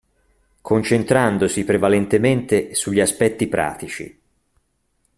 Concentrandosi prevalentemente sugli aspetti pratici.